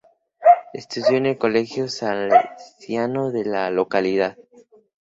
Estudió en el Colegio Salesiano de la localidad.